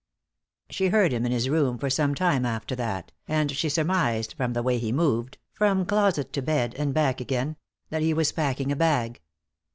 She heard him in his room for some time after that, and she surmised from the way he moved, from closet to bed and back again, that he was packing a bag.